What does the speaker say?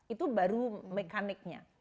itu baru mekaniknya